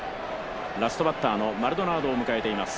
ラストバッターのマルドナードを迎えています。